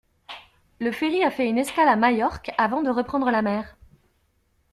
Le ferry a fait une escale à Majorque avant de reprendre la mer.